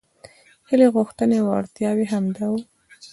هیلې غوښتنې وړتیاوې همدا وو.